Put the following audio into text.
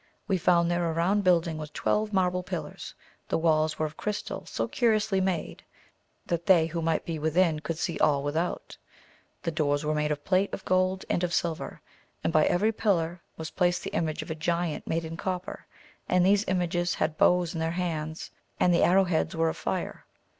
We found there a round building with twelve marble pillars, the walls were of crystal so curiously made that they who might be within could see all without ; the doors were made of plate of gold and of silver, and by every pillar there was placed the image of a giant made in copper, and these images had bows in their hands, and the arrow heads were of fire.